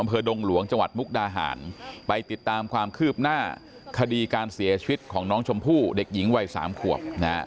ดงหลวงจังหวัดมุกดาหารไปติดตามความคืบหน้าคดีการเสียชีวิตของน้องชมพู่เด็กหญิงวัย๓ขวบ